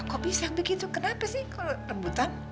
lah kok bisa begitu kenapa sih kalo rembutan